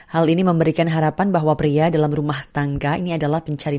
hal ini memberikan harapan bahwa pria dalam rumah tangga ini adalah pencari